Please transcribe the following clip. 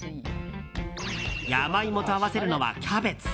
ヤマイモと合わせるのはキャベツ。